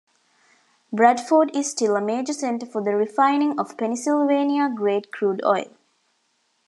Bradford is still a major center for the refining of Pennsylvania grade crude oil.